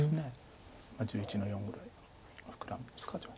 １１の四ぐらいフクラミですか上辺。